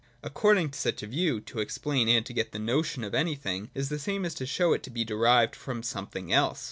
According to such a view, to explain and to get the notion of anything, is the same as to show it to be derived from something else.